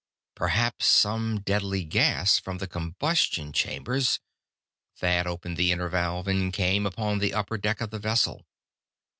Perhaps some deadly gas, from the combustion chambers.... Thad opened the inner valve, and came upon the upper deck of the vessel.